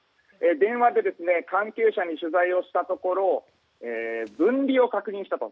電話で関係者に取材をしたところ分離を確認したと。